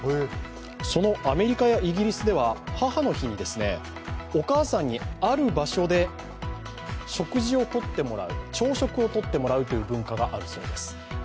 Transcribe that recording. そのアメリカやイギリスでは母の日にお母さんにある場所で食事をとってもらう朝食をとってもらうという文化があるそうです。